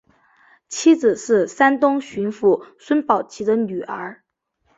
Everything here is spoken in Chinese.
妻子是山东巡抚孙宝琦的女儿。